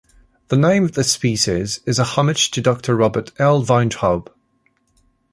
The name of the species is a homage to Doctor Robert L. Weintraub.